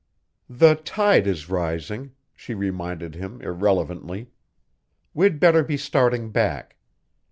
"The tide is rising," she reminded him irrelevantly. "We'd better be starting back."